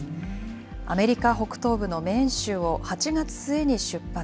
アメリカ北東部のメーン州を８月末に出発。